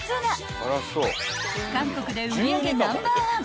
［韓国で売り上げナンバーワン］